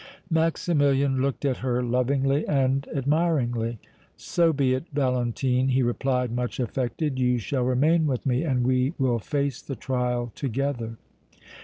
Maximilian looked at her lovingly and admiringly. "So be it, Valentine," he replied, much affected. "You shall remain with me and we will face the trial together!"